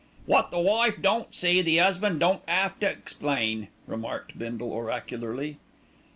"What the wife don't see the 'usband don't 'ave to explain," remarked Bindle oracularly.